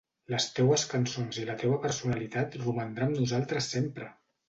Les teues cançons i la teua personalitat romandrà amb nosaltres sempre!